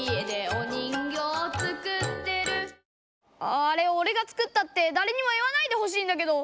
あああれおれが作ったってだれにも言わないでほしいんだけど。